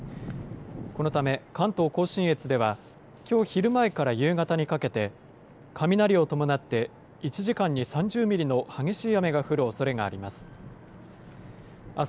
このため、関東甲信越では、きょう昼前から夕方にかけて、雷を伴って１時間に３０ミリの激しい雨が降るおそれがあります。